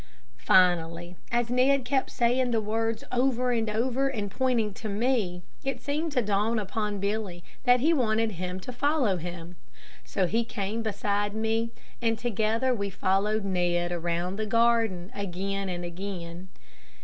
Finally, as Ned kept saying the words over and over, and pointing to me, it seemed to dawn upon Billy that he wanted him to follow him. So he came beside me, and together we followed Ned around the garden, again and again.